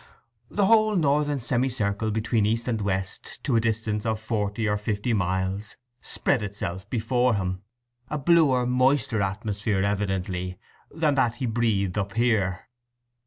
The whole northern semicircle between east and west, to a distance of forty or fifty miles, spread itself before him; a bluer, moister atmosphere, evidently, than that he breathed up here.